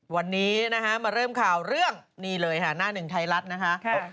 วันนี้นะฮะมาเริ่มข่าวเรื่องนี่เลยค่ะหน้าหนึ่งไทยรัฐนะคะ